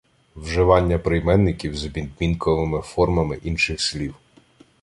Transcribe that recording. Вживання прийменників з відмінковими формами інших слів